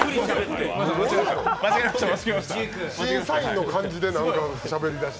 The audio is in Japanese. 審査員の感じでなんかしゃべり出して。